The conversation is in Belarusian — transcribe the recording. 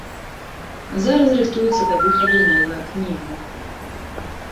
Зараз рыхтуецца да выхаду новая кніга.